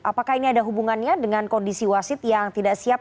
apakah ini ada hubungannya dengan kondisi wasit yang tidak siap